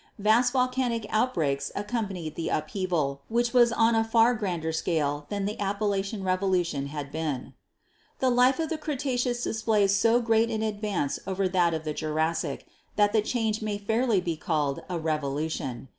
Vast volcanic outbreaks accompanied the upheaval, which was on a far grander scale than the Appalachian revolution had been. "The life of the Cretaceous displays so great an ad vance over that of the Jurassic that the change may fairly be called a revolution.